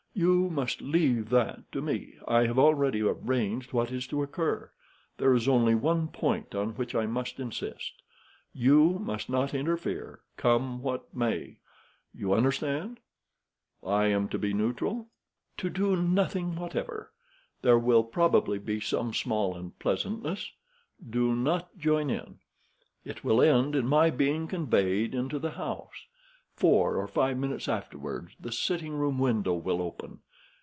"You must leave that to me. I have already arranged what is to occur. There is only one point on which I must insist. You must not interfere, come what may. You understand?" "I am to be neutral?" "To do nothing whatever. There will probably be some small unpleasantness. Do not join in it. It will end in my being conveyed into the house. Four or five minutes afterwards the sitting room window will open.